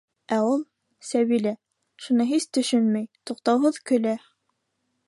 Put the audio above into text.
Ә ул, Сәбилә, шуны һис төшөнмәй, туҡтауһыҙ көлә.